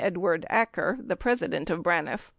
Edward Acker, the president of Braniff.